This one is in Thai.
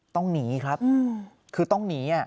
ต้องหนีครับคือต้องหนี